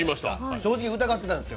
正直、疑ってたんですよ。